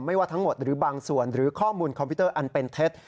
ว่าทั้งหมดหรือบางส่วนหรือข้อมูลคอมพิวเตอร์อันเป็นเท็จ